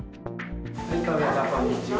こんにちは。